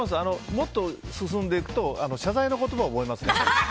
もっと進んでいくと謝罪の言葉を覚えます。